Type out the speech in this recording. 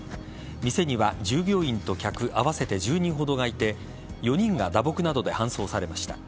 店には従業員と客合わせて１０人ほどがいて４人が打撲などで搬送されました。